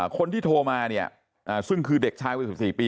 คนที่โทรมาเนี่ยซึ่งคือเด็กชายวัย๑๔ปี